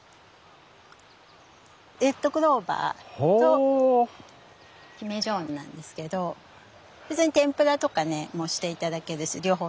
レッドクローバーとヒメジョオンなんですけど普通に天ぷらとかねもして頂けるし両方とも。